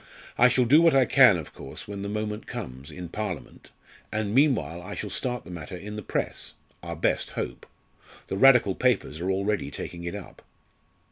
I shall do what I can, of course, when the moment comes, in Parliament, and meanwhile I shall start the matter in the Press our best hope. The Radical papers are already taking it up."